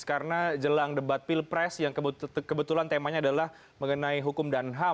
karena jelang debat pilpres yang kebetulan temanya adalah mengenai hukum dan ham